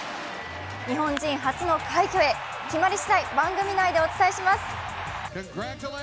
日本人初の快挙へ、決まりしだい番組内でお伝えします。